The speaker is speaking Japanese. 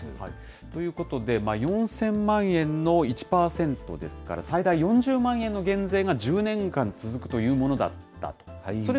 ということで、４０００万円の１％ですから、最大４０万円の減税が１０年間続くというものだった。